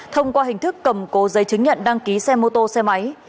thông qua hình thức cầm cố giấy chứng nhận đăng ký xe mô tô xe máy